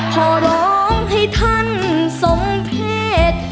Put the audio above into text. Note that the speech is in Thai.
พอร้องให้ท่านสนเพต